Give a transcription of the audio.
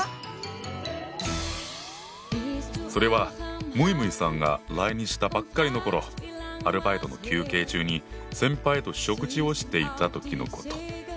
それはむいむいさんが来日したばっかりの頃アルバイトの休憩中に先輩と食事をしていた時のこと。